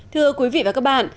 thưa quý vị và các bạn